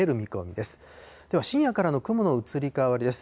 では深夜からの雲の移り変わりです。